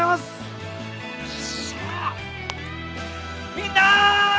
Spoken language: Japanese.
みんな！